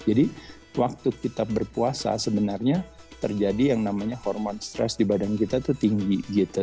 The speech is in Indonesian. jadi waktu kita berpuasa sebenarnya terjadi yang namanya hormon stres di badan kita itu tinggi gitu